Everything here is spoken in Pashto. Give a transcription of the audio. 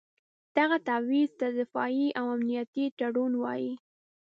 دغه تعویض ته دفاعي او امنیتي تړون وایي.